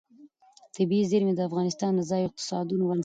طبیعي زیرمې د افغانستان د ځایي اقتصادونو بنسټ دی.